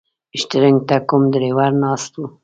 شټرنګ ته کوم ډریور ناست و.